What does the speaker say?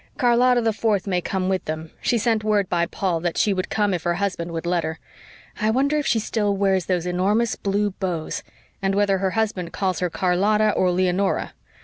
"Charlotta the Fourth may come with them. She sent word by Paul that she would come if her husband would let her. I wonder if she still wears those enormous blue bows, and whether her husband calls her Charlotta or Leonora.